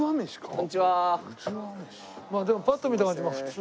でもパッと見た感じ普通。